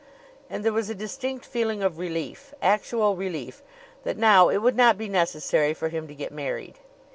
And there was a distinct feeling of relief actual relief that now it would not be necessary for him to get married.